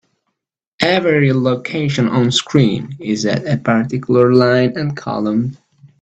Every location onscreen is at a particular line and column.